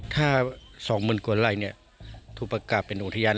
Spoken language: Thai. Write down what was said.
ถ้าสองหมื่นกว่าไร่ถูกประกาศเป็นอุทยาน